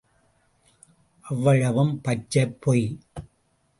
அவ்வளவும் பச்சைப் பொய்.